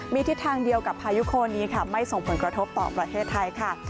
มีทิศทางเดียวกับพายุโคนนี้ค่ะไม่ส่งผลกระทบต่อประเทศไทยค่ะ